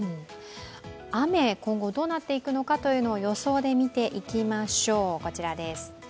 雨、今後どうなっていくのかというのを予想で見てみましょう。